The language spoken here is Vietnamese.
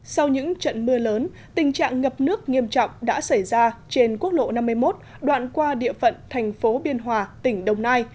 sau những trận mưa lớn tình trạng ngập nước nghiêm trọng đã xảy ra trên quốc lộ năm mươi một đoạn qua địa phận thành phố biên hòa tỉnh đồng nai